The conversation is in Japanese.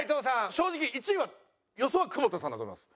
正直１位は予想は久保田さんだと思います。